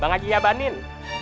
bang haji yabanin